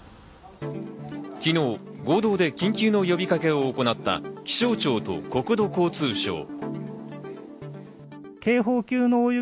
昨日、合同で緊急の呼びかけを行った気象庁と国土交通省。